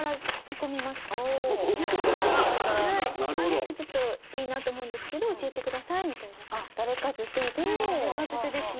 あの人ちょっといいなと思うんですけど教えてくださいみたいな感じで。